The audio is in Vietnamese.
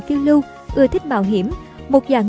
phiêu lưu ưa thích bảo hiểm một dạng